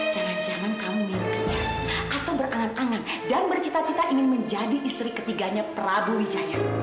jangan jangan kamu minum atau berangan angan dan bercita cita ingin menjadi istri ketiganya prabu wijaya